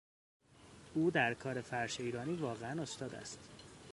او در کار فرش ایرانی واقعا استاد است.